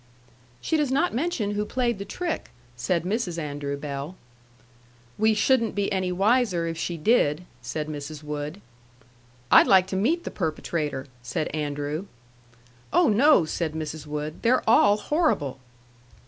"She does not mention who played the trick," said Mrs. Andrew Bell. "We shouldn't be any wiser if she did," said Mrs. Wood. "I'd like to meet the perpetrator," said Andrew. "Oh, no!" said Mrs. Wood. "They're all horrible."